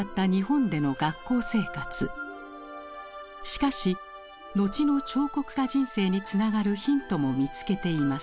しかし後の彫刻家人生につながるヒントも見つけています。